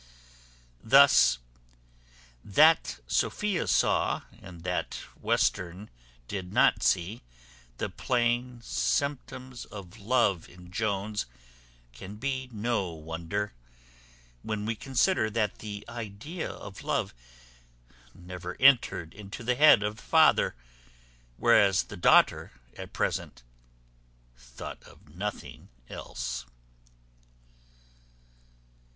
Thus, that Sophia saw, and that Western did not see, the plain symptoms of love in Jones can be no wonder, when we consider that the idea of love never entered into the head of the father, whereas the daughter, at present, thought of nothing else.